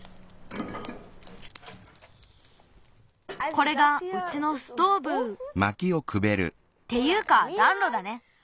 これがうちのストーブっていうかだんろだね。